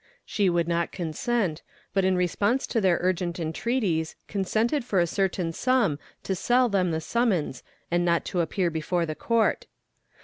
She would not consent, but in response to their urgent entreaties consented for a certain sum to sell them the summons and not to appear before the Court.